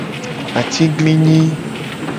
Atiglinyi.